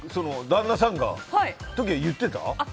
旦那さんの時は言ってた？